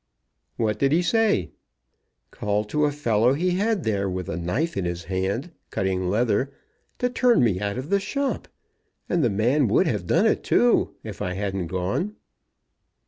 "What did he say?" "Called to a fellow he had there with a knife in his hand, cutting leather, to turn me out of the shop. And the man would have done it, too, if I hadn't gone."